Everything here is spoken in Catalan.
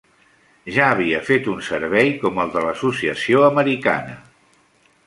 Ja havia fet un servei com el de l'Associació Americana.